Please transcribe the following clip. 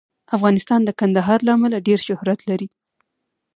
افغانستان د کندهار له امله ډېر شهرت لري.